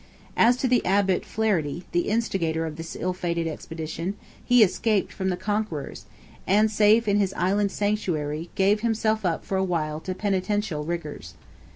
As to the Abbot Flaherty, the instigator of this ill fated expedition, he escaped from the conquerors, and, safe in his island sanctuary, gave himself up for a while to penitential rigours.